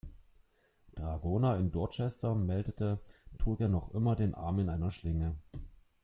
Dragoner in Dorchester meldete, trug er noch immer den Arm in einer Schlinge.